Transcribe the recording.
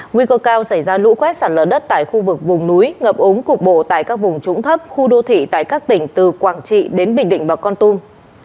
nguy cơ cao xảy ra lũ quét sạt lở đất tại khu vực vùng núi ngập ống cục bộ tại các vùng trũng thấp khu đô thị tại các tỉnh từ quảng trị đến bình định và con tum